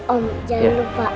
om jangan lupa